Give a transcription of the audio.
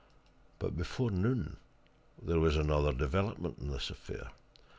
But before noon there was another development in this affair.